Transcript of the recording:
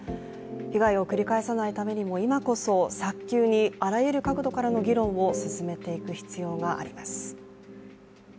被害を繰り返さないためにも今こそ早急にあらゆる角度からの議論を進めていく必要があります。